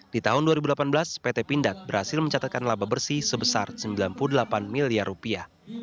di tahun dua ribu delapan belas pt pindad berhasil mencatatkan laba bersih sebesar sembilan puluh delapan miliar rupiah